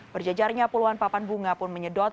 berjejarnya puluhan papan bunga pun menyedot